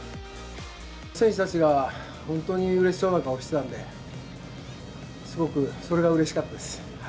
選手たちが、本当にうれしそうな顔してたんで、すごくそれがうれしかったです。